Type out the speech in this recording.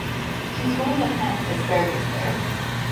She's going to plant asparagus there.